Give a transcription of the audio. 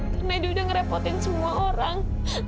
karena dia sudah merepotin semua orang